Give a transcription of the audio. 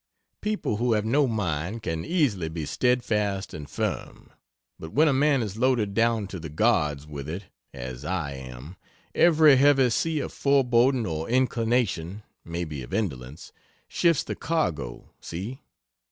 People who have no mind can easily be steadfast and firm, but when a man is loaded down to the guards with it, as I am, every heavy sea of foreboding or inclination, maybe of indolence, shifts the cargo. See?